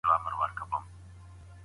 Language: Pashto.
ګردسره مي ته نه یې هېر کړی.